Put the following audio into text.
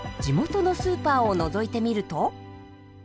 地元のスーパーをのぞいてみると。